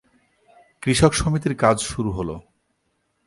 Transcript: কৃষক সমিতির কাজ শুরু হলো।